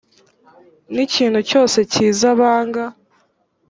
n ikintu cyose cyiza banga